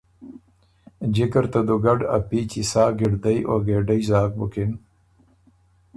جکه ر ته دُوګډ ا پيچی سا ګِړدئ او ګېډئ زاک بُکِن